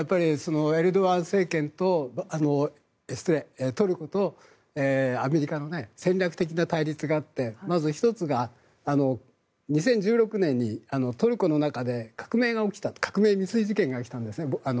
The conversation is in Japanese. ここはトルコとアメリカの戦略的な対立があってまず１つが２０１６年にトルコの中で革命未遂事件が起きたんです。